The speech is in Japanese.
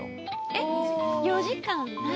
えっ４時間ない？